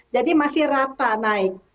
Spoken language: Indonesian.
jadi masih rata naik